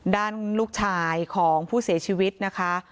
ด้านลูกชายของผู้เสียชีวิตนะคะ